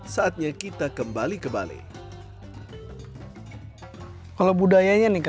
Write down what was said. saatnya kita kembali ke bali